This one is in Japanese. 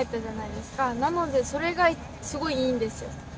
なのでそれがすごいいいんですよ。